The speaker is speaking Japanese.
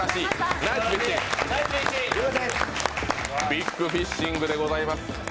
ビッグフィッシングでございます。